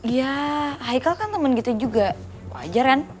ya haikal kan temen gitu juga wajar ya